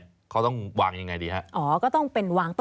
แล้วก็จะมีแบบฟุ้ง